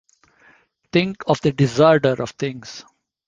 Think of the disorder of things!